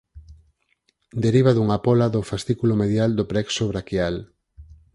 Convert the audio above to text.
Deriva dunha póla do fascículo medial do plexo braquial.